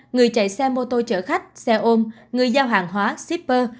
người chạy xe mô tô chở khách xe ôm người giao hàng hóa shipper